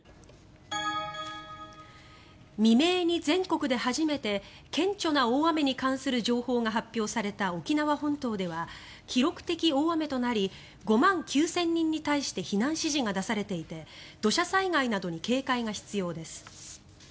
未明に全国で初めて顕著な大雨に関する情報が発表された沖縄本島では記録的大雨となり５万９０００人に対して避難指示が出されていて土砂災害などに警戒が必要です。